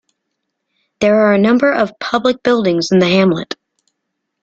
There are a number of public buildings in the hamlet.